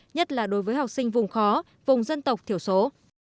nhất là đối với học sinh vùng khó vùng dân tộc thiểu số